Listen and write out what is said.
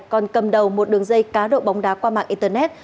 còn cầm đầu một đường dây cá độ bóng đá qua mạng internet